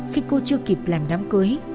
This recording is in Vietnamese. khi cô chưa kịp làm đám cưới